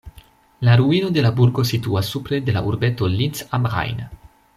La ruino de la burgo situas supre de la urbeto Linz am Rhein.